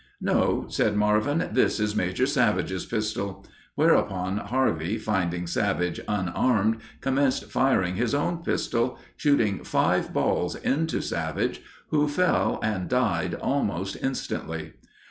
"No" said Marvin, "this is Major Savage's pistol," whereupon Harvey, finding Savage unarmed, commenced firing his own pistol, shooting five balls into Savage, who fell, and died almost instantly.